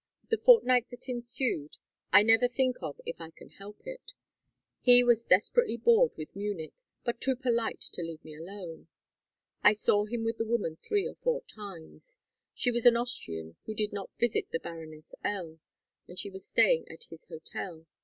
The fortnight that ensued I never think of if I can help it. He was desperately bored with Munich, but too polite to leave me alone. I saw him with the woman three or four times. She was an Austrian who did not visit the Baroness L., and she was staying at his hotel.